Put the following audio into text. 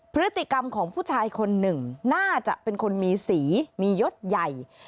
พฤติกรรมของผู้ชายคนหนึ่งน่าจะเป็นคนมีสีมียศใหญ่